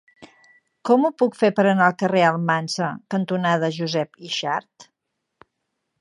Com ho puc fer per anar al carrer Almansa cantonada Josep Yxart?